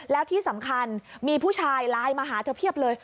แล้วที่สำคัญมีผู้ชายไลน์มาหาเธอเพียบเลย